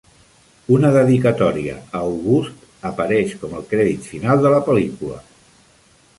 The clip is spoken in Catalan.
Una dedicatòria a August apareix com el crèdit final de la pel·lícula.